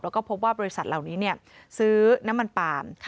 แล้วก็พบว่าบริษัทเหล่านี้ซื้อน้ำมันปาล์ม